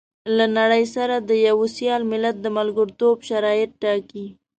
له نړۍ سره د يوه سيال ملت د ملګرتوب شرايط ټاکي.